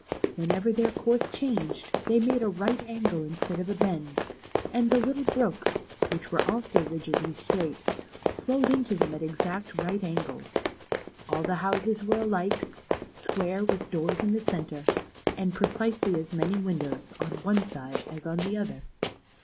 Whenever their course changed, they made a right angle instead of a bend, and the little brooks, which were also rigidly straight, flowed into them at exact right angles. All the houses were alike, square, with doors in the centre, and precisely as many windows on one side as on the other.